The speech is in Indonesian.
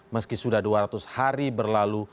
meski sudah dua ratus hari berlalu